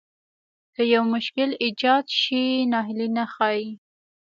که يو مشکل ايجاد شي ناهيلي نه ښايي.